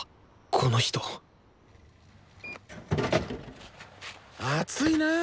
この人暑いなあ。